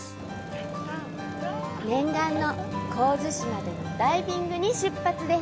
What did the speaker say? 念願の神津島でのダイビングに出発です！